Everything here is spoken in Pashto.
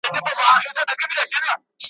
قصابي وه د حقونو د نادارو `